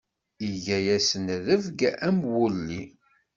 Iga-asen rebg am wulli.